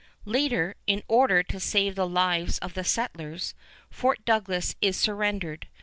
Later, in order to save the lives of the settlers, Fort Douglas is surrendered.